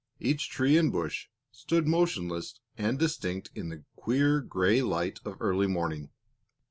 Each tree and bush stood motionless and distinct in the queer gray light of early morning.